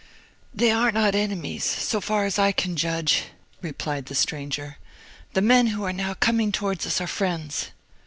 "They are not enemies, so far as I can judge," replied the stranger. "The men who are now coming towards us are friends."